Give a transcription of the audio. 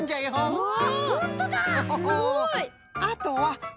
うわ！